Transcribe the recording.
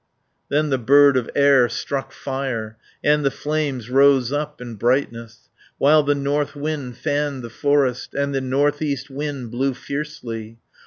Then the bird of air struck fire, 280 And the flames rose up in brightness, While the north wind fanned the forest, And the north east wind blew fiercely.